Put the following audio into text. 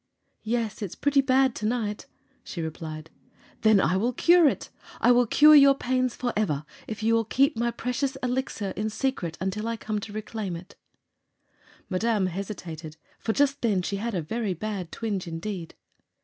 "Yes, it's pretty bad to night," she replied. "Then I will cure it! I will cure your pains forever if you will keep my precious Elixir in secret until I come to reclaim it." Madame hesitated, for just then she had a very bad twinge indeed.